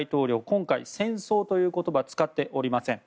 今回、戦争という言葉は使っておりません。